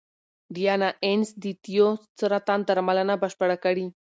ډیانا اینز د تیو سرطان درملنه بشپړه کړې.